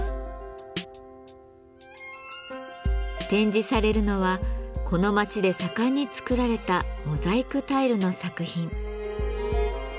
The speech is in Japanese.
展示されるのはこの町で盛んに作られたモザイクタイルの作品。